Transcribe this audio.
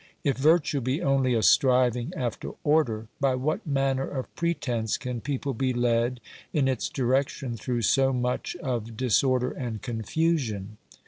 If virtue be only a striving after order, by what manner of pretence can people be led in its direction through so much of disorder and confusion